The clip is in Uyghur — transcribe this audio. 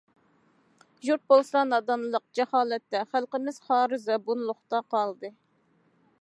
يۇرت بولسا نادانلىق، جاھالەتتە، خەلقىمىز خار- زەبۇنلۇقتا قالدى.